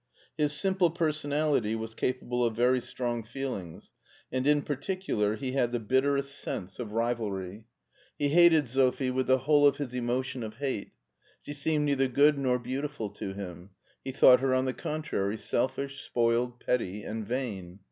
His simple personality was capable of very strong feelings, and in particular he had the bitterest sense of 962 SCH WARZWALD 263 rivalry. He hated Sophie with the whole of his emo tion of hate. She seemed neither good nor beautiful to him : he thought her on the contrary selfish, spoiled, petty, and vain.